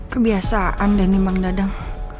kebiasaan deh nih bang dadang